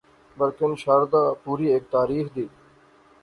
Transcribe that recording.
بلکن شاردا پوری ہیک تاریخ دی